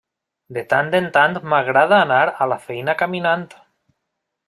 De tant en tant m'agrada anar a la feina caminant.